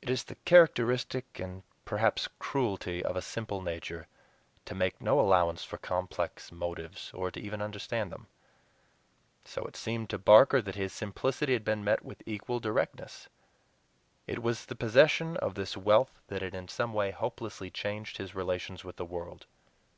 It is the characteristic and perhaps cruelty of a simple nature to make no allowance for complex motives, or to even understand them! So it seemed to Barker that his simplicity had been met with equal directness. It was the possession of this wealth that had in some way hopelessly changed his relations with the world.